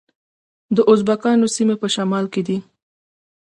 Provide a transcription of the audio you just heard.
د ازبکانو سیمې په شمال کې دي